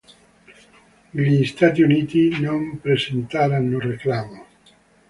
Gli Stati Uniti non presenteranno reclamo.